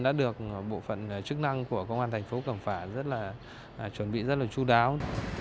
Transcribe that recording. đã được bộ phận chức năng của công an thành phố cẩm phả chuẩn bị rất là chú đáo